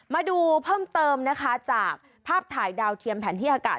มาดูเพิ่มเติมนะคะจากภาพถ่ายดาวเทียมแผนที่อากาศ